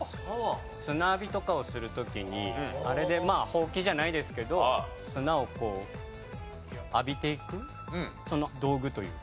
砂浴びとかをする時にあれでまあほうきじゃないですけど砂をこう浴びていくその道具というか。